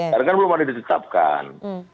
karena kan belum ada yang ditetapkan